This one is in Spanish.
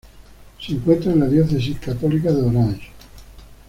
Se encuentra en la Diócesis Católica de Orange.